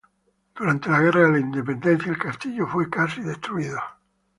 Durante la Guerra de la Independencia el castillo fue casi destruido.